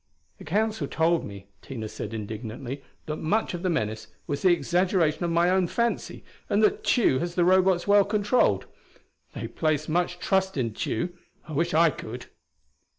"The Council told me," said Tina indignantly, "that much of the menace was the exaggeration of my own fancy, and that Tugh has the Robots well controlled. They place much trust in Tugh; I wish I could."